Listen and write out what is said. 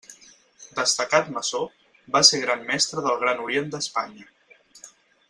Destacat maçó, va ser Gran Mestre del Gran Orient d'Espanya.